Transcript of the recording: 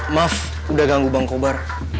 maaf udah ganggu bang kobar